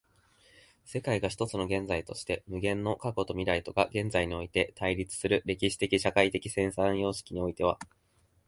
世界が一つの現在として、無限の過去と未来とが現在において対立する歴史的社会的生産様式においては、